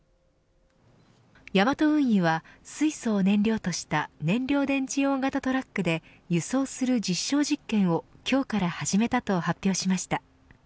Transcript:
ヤマト運輸は水素を燃料とした燃料電池大型トラックで輸送する実証実験を、今日から始めたと発表しました。